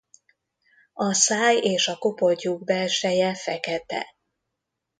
A száj és a kopoltyúk belseje fekete.